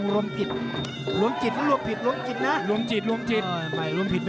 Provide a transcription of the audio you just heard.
ล้วมจิตล้วมจิตใช่ถ้าล้วมผิดล้วมจิตนะ